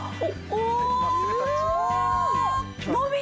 おお！